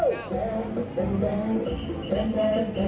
เนื้อแบบนี้นะคะ